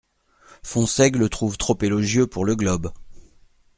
Fonsègue le trouve trop élogieux pour le Globe.